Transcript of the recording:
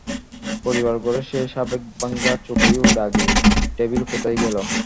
পড়িবার ঘরে সেই সাবেক ভাঙা চৌকি ও দাগি টেবিল কোথায় গেল।